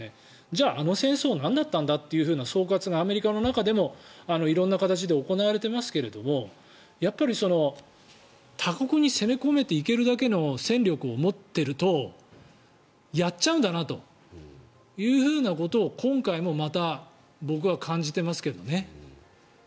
じゃあ、あの戦争はなんだったんだという総括がアメリカの中でも色んな形で行われていますけどやっぱり、他国に攻め込めていけるだけの戦力を持っているとやっちゃうんだなということを今回もまた僕は感じていますけれどね。